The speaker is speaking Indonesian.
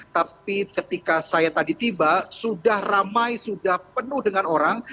tapi ketika saya tadi tiba sudah ramai sudah penuh dengan orang